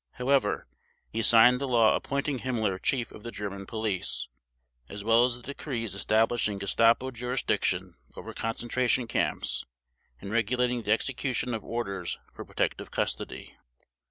However, he signed the law appointing Himmler Chief of the German Police, as well as the decrees establishing Gestapo jurisdiction over concentration camps and regulating the execution of orders for protective custody.